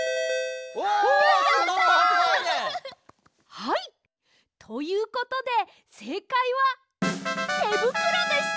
はいということでせいかいはてぶくろでした！